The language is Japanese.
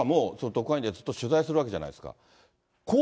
高井君とかも特派員でずっと取材するわけじゃないですか。